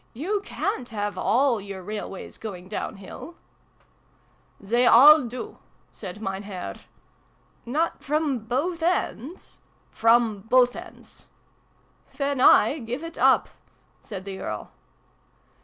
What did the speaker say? " You ca'n't have all your railways going down hill ?"" They all do," said Mein Herr. "Not from both ends?" " From both ends." " Then I give it up !" said the Earl.